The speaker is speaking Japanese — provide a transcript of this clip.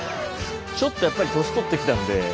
ちょっとやっぱり年取ってきたんで。